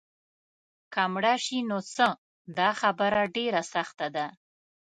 که مړه شي نو څه؟ دا خبره ډېره سخته ده.